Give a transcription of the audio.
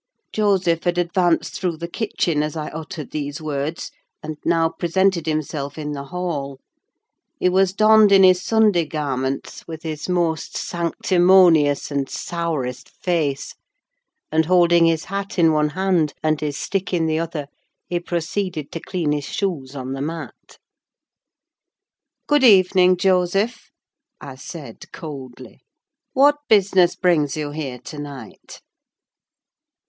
Joseph had advanced through the kitchen as I uttered these words, and now presented himself in the hall. He was donned in his Sunday garments, with his most sanctimonious and sourest face, and, holding his hat in one hand, and his stick in the other, he proceeded to clean his shoes on the mat. "Good evening, Joseph," I said, coldly. "What business brings you here to night?"